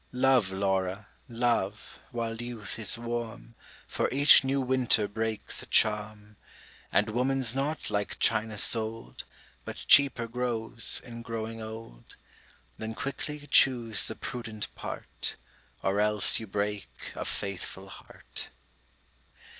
Love, Laura, love, while youth is warm, For each new winter breaks a charm; And woman's not like China sold, But cheaper grows in growing old; Then quickly chuse the prudent part, Or else you break a faithful heart.